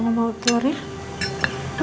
mau bawa telurnya